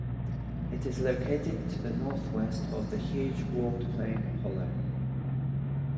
It is located to the northwest of the huge walled plain Apollo.